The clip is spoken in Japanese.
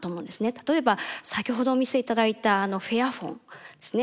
例えば先ほどお見せ頂いたフェアフォンですね。